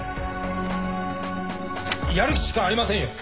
やるしかありませんよ。